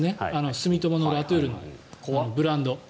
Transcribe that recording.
住友のラ・トゥールのブランド。